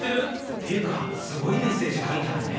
っていうか、すごいメッセージ書いてあるね。